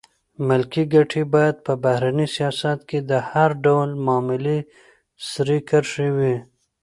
ملي ګټې باید په بهرني سیاست کې د هر ډول معاملې سرې کرښې وي.